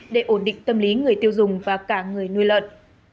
để ổn định tâm lý người tiêu dùng và cả người nuôi lợn